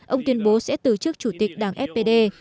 ông tuyên bố sẽ từ chức chủ tịch đảng fpd